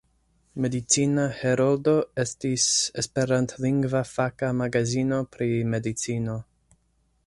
Medicina Heroldo estis esperantlingva faka magazino pri medicino.